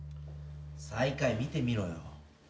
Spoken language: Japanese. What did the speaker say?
最下位見てみろよ。